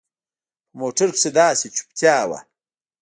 په موټر کښې داسې چوپتيا وه.